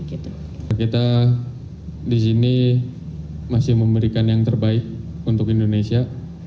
kita disini masih memberikan yang terbaik untuk indonesia